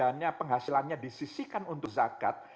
orang yang dana penghasilannya disisikan untuk zakat